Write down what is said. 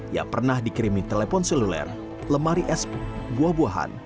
ia pernah dikirimin telepon seluler lemari es buah buahan